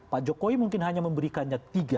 pak jokowi mungkin hanya memberikannya tiga